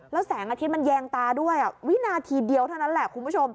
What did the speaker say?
แล้วแสงอาทิตย์มันแยงตาด้วยวินาทีเดียวเท่านั้นแหละคุณผู้ชม